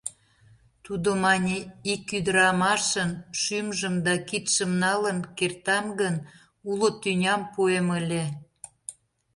Тудо мане: ик ӱдырамашын шӱмжым да кидшым налын кертам гын, уло тӱням пуэм ыле...